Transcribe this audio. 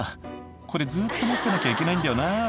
「これずっと持ってなきゃいけないんだよな」